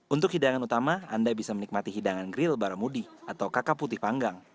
untuk hidangan utama anda bisa menikmati hidangan grill baramudi atau kakak putih panggang